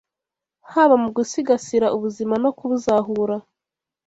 haba mu gusigasira ubuzima no kubuzahura